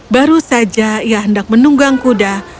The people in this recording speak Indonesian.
baru saja ia hendak menunggang kuda